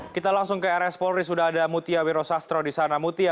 kita langsung ke rs polri sudah ada mutia wiro sastro di sana mutia